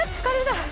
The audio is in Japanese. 疲れた！